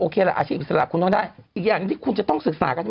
ละอาชีพอิสระคุณต้องได้อีกอย่างหนึ่งที่คุณจะต้องศึกษากัน